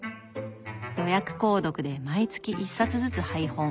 予約購読で毎月一冊ずつ配本。